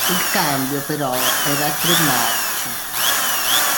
Il cambio però era a tre marce.